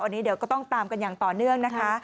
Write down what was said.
อันนี้เดี๋ยวก็ต้องตามกันอย่างต่อเนื่องนะคะ